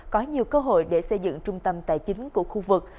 có nhiều cơ hội để xây dựng trung tâm tài chính của khu vực